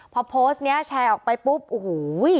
พอโพสต์นี้แชร์ออกไปปุ๊บโอ้โห